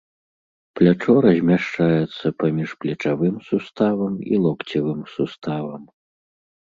Плячо размяшчаецца паміж плечавым суставам і локцевым суставам.